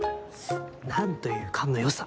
何という勘の良さ。